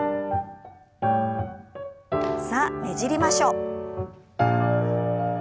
さあねじりましょう。